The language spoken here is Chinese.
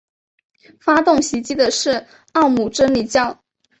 发动袭击的是奥姆真理教。